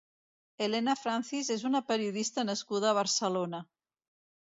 Elena Francis és una periodista nascuda a Barcelona.